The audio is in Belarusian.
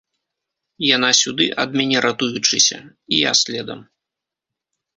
Яна сюды, ад мяне ратуючыся, і я следам.